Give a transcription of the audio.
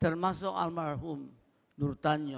termasuk almarhum nur tanyo